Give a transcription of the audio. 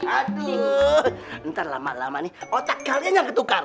aduh ntar lama lama nih otak kalian yang ketukar